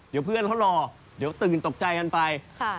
เดี๋ยวเพื่อนเขารอเดี๋ยวตื่นตกใจกันไป